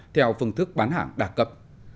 theo phương thức bán hàng đa cập